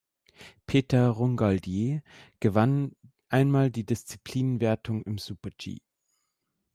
Peter Runggaldier gewann einmal die Disziplinenwertung im Super-G.